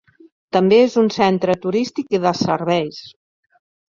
També és un centre turístic i de serveis.